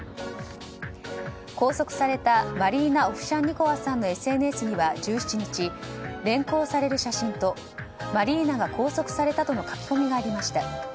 拘束されたマリーナ・オフシャンニコワさんのＳＮＳには１７日、連行される写真とマリーナが拘束されたとの書き込みがありました。